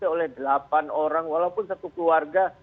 oleh delapan orang walaupun satu keluarga